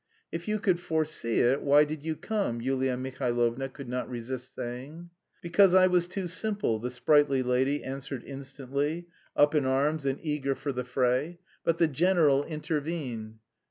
"If you could foresee it, why did you come?" Yulia Mihailovna could not resist saying. "Because I was too simple," the sprightly lady answered instantly, up in arms and eager for the fray; but the general intervened.